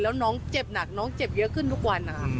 แล้วน้องเจ็บหนักน้องเจ็บเยอะขึ้นทุกวันนะคะ